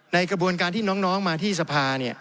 ในกระบวนการที่น้องมาที่สภา